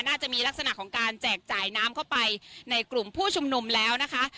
น่าจะมีลักษณะของการแจกจ่ายน้ำเข้าไปในกลุ่มผู้ชุมนุมแล้วนะคะ